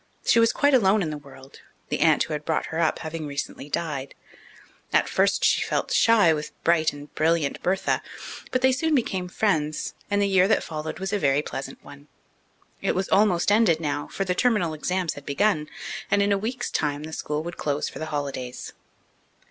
She was quite alone in the world, the aunt who had brought her up having recently died. At first she had felt shy with bright and brilliant Bertha; but they soon became friends, and the year that followed was a very pleasant one. It was almost ended now, for the terminal exams had begun, and in a week's time the school would close for the holidays.